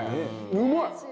うまい！